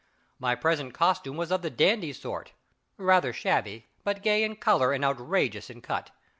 My present costume was of the dandy sort rather shabby, but gay in color and outrageous in cut.